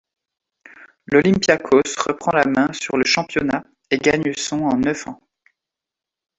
L'Olympiakos reprend la main sur le championnat et gagne son en neuf ans.